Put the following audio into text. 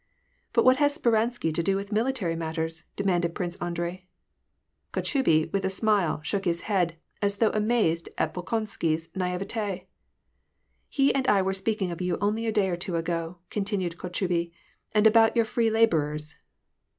" But what has Speransky to do with military matters ?" demanded Prince Andrei. Kotchubey, with a smile, shook his head, as though amazed at Bolkonsky's ncCivetL " He and I were speaking of you only a day or two ago," continued Kotchubey, " and about your free laborers."